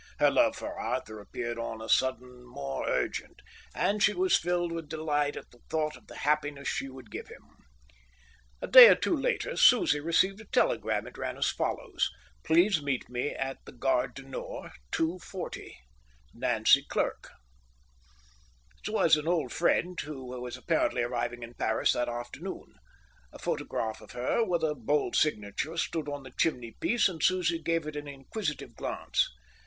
Her love for Arthur appeared on a sudden more urgent, and she was filled with delight at the thought of the happiness she would give him. A day or two later Susie received a telegram. It ran as follows: Please meet me at the Gare du Nord, 2:40. Nancy Clerk It was an old friend, who was apparently arriving in Paris that afternoon. A photograph of her, with a bold signature, stood on the chimney piece, and Susie gave it an inquisitive glance.